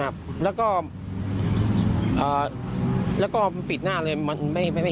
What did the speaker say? อะแหบทำไม